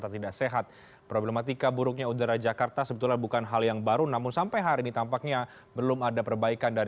tim liputan cnn indonesia